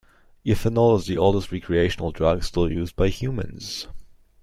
Ethanol is the oldest recreational drug still used by humans.